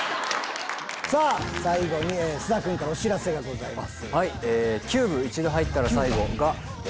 最後に菅田君からお知らせがございます。